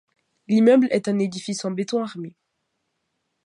L'immeuble est un édifice en béton armé.